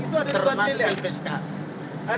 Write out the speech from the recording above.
termas di peska